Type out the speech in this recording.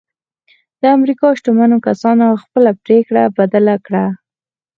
د امريکا شتمنو کسانو خپله پرېکړه بدله کړه.